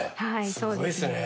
そうですね。